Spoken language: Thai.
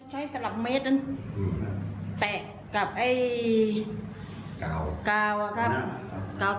สลับเมตรนั้นแตะกับไอ้กาวอะครับ